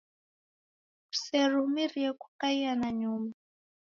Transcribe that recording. Kuserumirie kukaia nanyuma.